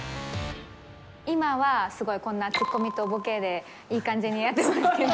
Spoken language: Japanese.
今はすごいこんな、ツッコミとボケでいい感じにやってますけど。